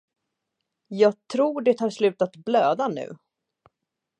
Jag tror det har slutat blöda nu.